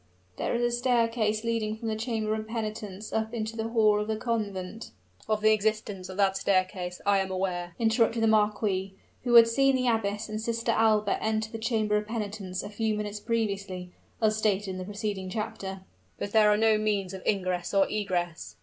"There is a staircase leading from the chamber of penitence up into the hall of the convent " "Of the existence of that staircase I am aware," interrupted the marquis, who had seen the abbess and Sister Alba enter the chamber of penitence a few minutes previously, as stated in the preceding chapter; "but are there no means of ingress or egress?"